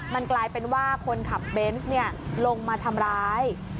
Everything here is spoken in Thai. มันกลายเป็นว่าคนขับเบนส์ลงมาทำร้าย